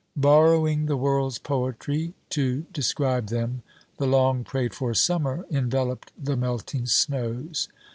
Borrowing the world's poetry to describe them, the long prayed for Summer enveloped the melting snows.